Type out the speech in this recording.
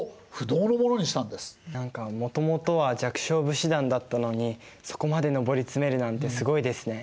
何かもともとは弱小武士団だったのにそこまで上り詰めるなんてすごいですね。